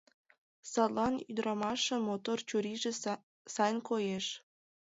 Садлан ӱдырамашын мотор чурийже сайын коеш.